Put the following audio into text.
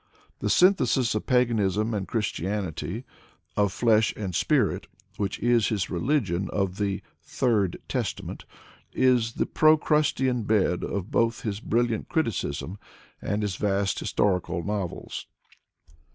The synthesis of paganism and Christianity, of flesh and spirit, which is his religion of "the Third Testament,'' is the Procrustean bed of both his brilliant criticism and his vast historical novels.